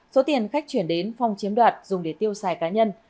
số tiền khách chuyển đến phong chiếm đoạt dùng để tiêu xài cá nhân